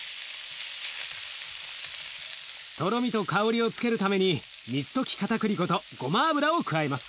とろみと香りをつけるために水溶きかたくり粉とごま油を加えます。